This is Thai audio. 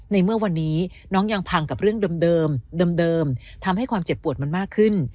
ในเมื่อวันนี้น้องยังพังกับเรื่องเดิมเดิมทำให้ความเจ็บปวดมันมากขึ้น